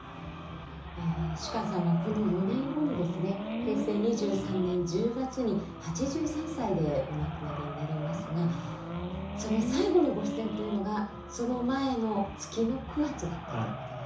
平成２３年１０月に８３歳でお亡くなりになりますがその最後のご出演というのがその前の月の９月だったということです。